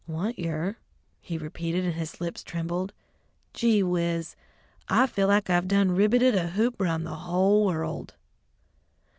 "Want yer?" he repeated, and his lips trembled, "gee whiz! I feel like I done ribbeted a hoop round the hull world!"